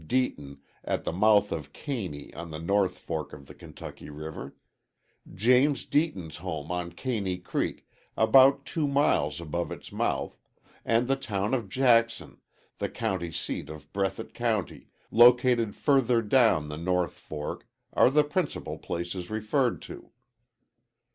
Deaton, at the mouth of Caney on the North Fork of the Kentucky River; James Deaton's home on Caney Creek, about two miles above its mouth, and the town of Jackson, the county seat of Breathitt County, located further down the North Fork, are the principal places referred to.